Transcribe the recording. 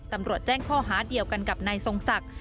ตำรวจแจ้งข้อหาเดียวกันกับนายทรงศักดิ์